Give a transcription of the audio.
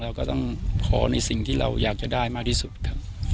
เราก็ต้องขอในสิ่งที่เราอยากจะได้มากที่สุดครับ